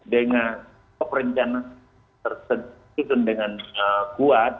dengan rencana yang kuat